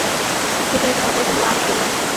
সুচরিতা তাড়াতাড়ি কহিল, না বিনয়বাবু, উঠবেন না।